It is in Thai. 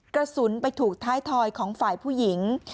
กระสุนไปถูกท้ายทอยของฝ่ายผู้หญิง